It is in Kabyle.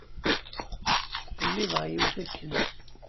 Ttqellibeɣ yiwet akken.